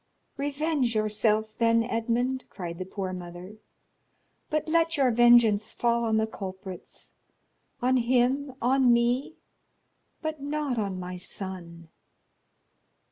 "Revenge yourself, then, Edmond," cried the poor mother; "but let your vengeance fall on the culprits,—on him, on me, but not on my son!"